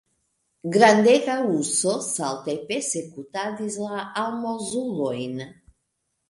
Grandega urso salte persekutadis la almozulojn.